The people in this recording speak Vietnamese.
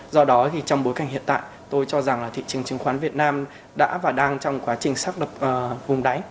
do đó thì trong bối cảnh hiện tại tôi cho rằng là thị trường chứng khoán việt nam đã và đang trong quá trình xác đập vùng đáy